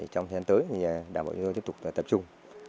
trong tháng tới đảng bộ yên thái tiếp tục tập trung